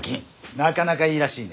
なかなかいいらしいね。